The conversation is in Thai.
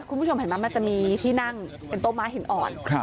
คุณผู้ชมเห็นไหมมันจะมีที่นั่งเป็นโต๊ม้าหินอ่อน